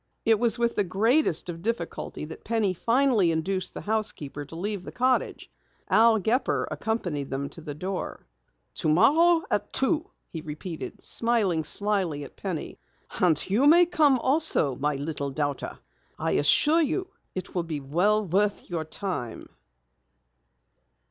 It was with the greatest of difficulty that Penny finally induced the housekeeper to leave the cottage. Al Gepper accompanied them to the door. "Tomorrow at two," he repeated, smiling slyly at Penny. "And you may come also, my little doubter. I assure you it will be well worth your time."